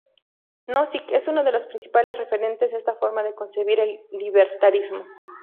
Nozick es uno de los principales referente de esta forma de concebir el libertarismo.